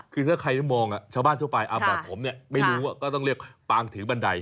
คือถ้าใครมองชาวบ้านทั่วไปแบบผมเนี่ยไม่รู้ก็ต้องเรียกปางถือบันได